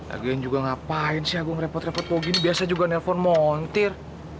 agung yang juga ngapain sih agung repot repot begini biasa juga nelpon montir